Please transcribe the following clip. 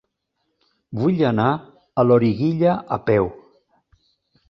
Vull anar a Loriguilla a peu.